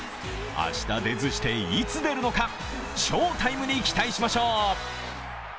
明日出ずして、いつ出るのか、翔タイムに期待しましょう。